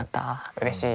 うれしい。